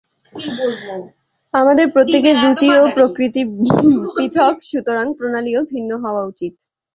আমাদের প্রত্যেকের রুচি ও প্রকৃতি পৃথক্, সুতরাং প্রণালীও ভিন্ন হওয়া উচিত।